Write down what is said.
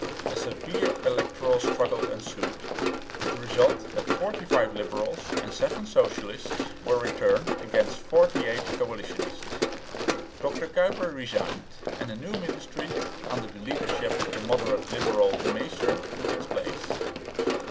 A severe electoral struggle ensued, with the result that 45 liberals and 7 socialists were returned against 48 coalitionists. Dr Kuyper resigned; and a new ministry, under the leadership of the moderate liberal, De Meester, took its place.